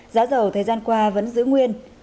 giá dầu thời gian qua vẫn giữ nguyên